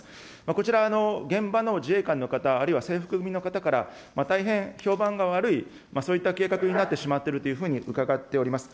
こちら、現場の自衛官の方、あるいは制服組の方から大変評判が悪い、そういった計画になってしまっていると伺っております。